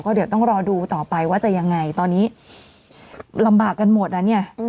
เดี๋ยวต้องรอดูต่อไปว่าจะยังไงตอนนี้ลำบากกันหมดนะเนี่ย